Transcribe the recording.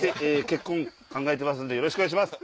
結婚考えてますんでよろしくお願いします！